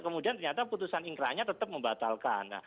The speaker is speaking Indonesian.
kemudian ternyata putusan ingkraknya tetap membatalkan